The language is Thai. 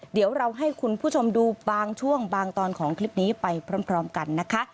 เดี๋ยวเราให้คุณผู้ชมดูบางช่วงบางตอนของคลิปนี้ไปพร้อมกันนะคะ